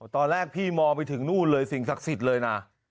ตอนแรกพี่มองไปถึงนู่นเลยสิ่งศักดิ์สิทธิ์เลยนะ